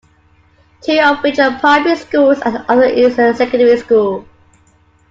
Two of which are primary schools and the other is a secondary school.